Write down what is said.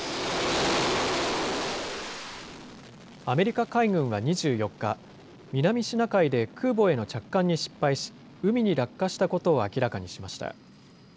アメリカ海軍は２４日、南シナ海で空母への着艦に失敗し、海に落下したことを明らかにしました。